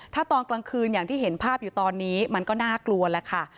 ถ้าตอนกลางคืนอย่างที่เห็นภาพอยู่ตอนนี้มันก็น่ากลัวแล้วค่ะ